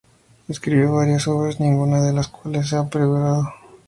Escribió varias obras, ninguna de las cuales ha perdurado.